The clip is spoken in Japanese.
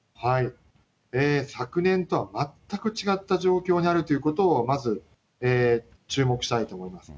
昨年とは全く違った状況にあるということをまず注目したいと思います。